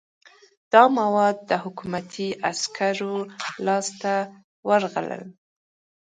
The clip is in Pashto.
دا مواد د حکومتي عسکرو لاس ته ورغلل.